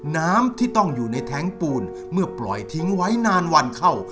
น้ำที่ต้องอยู่ในแท้งปูนเมื่อปล่อยทิ้งไว้นานวันเข้า